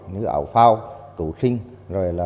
như ảo phao cứu sinh cứu hồ các vật dùng khác